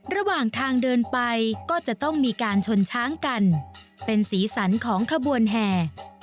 ระหว่างทางเดินไปก็จะต้องมีการชนช้างกันเป็นสีสันของขบวนแห่